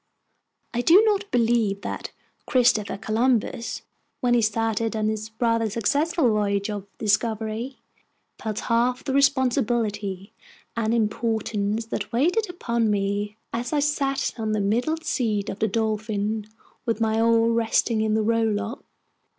I do not believe that Christopher Columbus, when he started on his rather successful voyage of discovery, felt half the responsibility and importance that weighed upon me as I sat on the middle seat of the Dolphin, with my oar resting in the row lock.